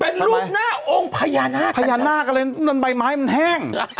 เป็นรูปหน้าองค์พญานาคนั่นใบไม้มันแห้ง